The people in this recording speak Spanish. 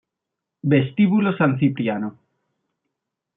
Vestíbulo San Cipriano